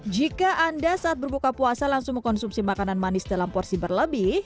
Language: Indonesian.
jika anda saat berbuka puasa langsung mengkonsumsi makanan manis dalam porsi berlebih